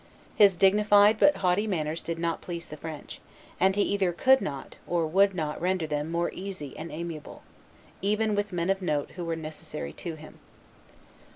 His dignified but haughty manners did not please the French; and he either could not or would not render them more easy and amiable, even with men of note who were necessary to him.